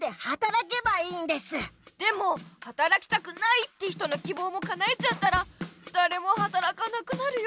でもはたらきたくないって人のきぼうもかなえちゃったらだれもはたらかなくなるよ。